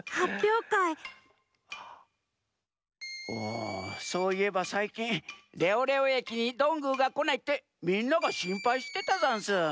あそういえばさいきんレオレオ駅にどんぐーがこないってみんながしんぱいしてたざんす。